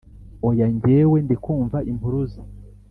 Oya ngewe ndikumva impuruza